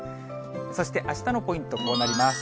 そしてあしたのポイント、こうなります。